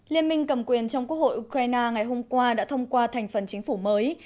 liên minh cầm quyền trong quốc hội ukraine ngày hôm qua đã thông qua thành phần chính phủ mới